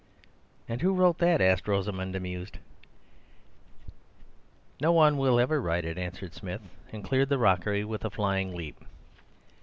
"And who wrote that?" asked Rosamund, amused. "No one will ever write it," answered Smith, and cleared the rockery with a flying leap.